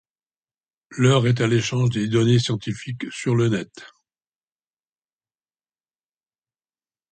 L'heure est à l'échange des données scientifiques sur le net.